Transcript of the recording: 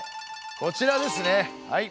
こちらですねはい。